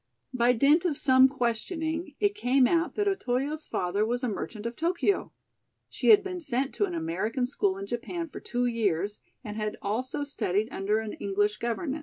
By dint of some questioning, it came out that Otoyo's father was a merchant of Tokio. She had been sent to an American school in Japan for two years and had also studied under an English governess.